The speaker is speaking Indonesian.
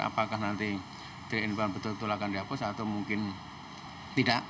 apakah nanti tiga in satu betul betul akan dihapus atau mungkin tidak